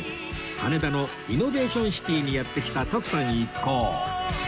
羽田のイノベーションシティにやって来た徳さん一行